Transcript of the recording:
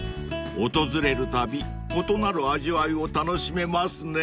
［訪れるたび異なる味わいを楽しめますね］